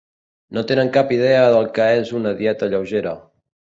No tenen cap idea del que és una dieta lleugera